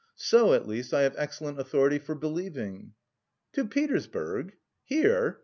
So at least I have excellent authority for believing." "To Petersburg? here?"